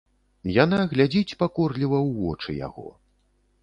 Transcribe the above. Яна глядзіць пакорліва ў вочы яго.